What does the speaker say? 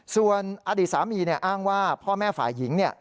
ส่วนอดีตสามีเนี่ยอ้างว่าพ่อแม่ฝ่ายหญิงเนี่ย